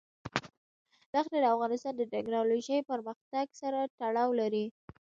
دښتې د افغانستان د تکنالوژۍ پرمختګ سره تړاو لري.